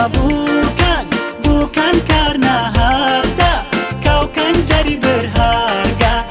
bukan bukan karena harta kau kan jadi berharga